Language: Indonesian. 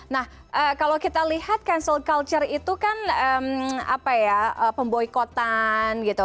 nah kalau kita lihat cancel culture itu kan apa ya pemboikotan gitu